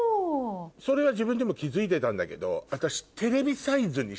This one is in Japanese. それは自分でも気付いてたんだけど私。